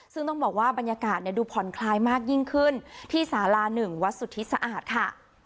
ซึ่งต้องบอกว่าบรรยากาศดูผ่อนคลายมากยิ่งขึ้นที่สารา๑วัดสุทธิสะอาดค่ะ